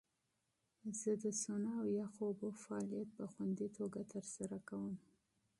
زه د سونا او یخو اوبو فعالیت په خوندي توګه ترسره کوم.